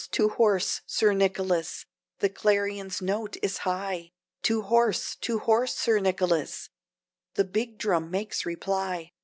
to horse! Sir Nicholas, the clarion's note is high! To horse! to horse! Sir Nicholas, the big drum makes reply!